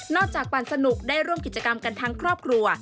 จากปั่นสนุกได้ร่วมกิจกรรมกันทั้งครอบครัว